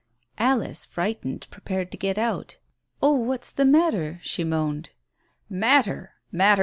Alice, frightened, prepared to get out. "Oh, what's the matter?" she moaned. "Matter!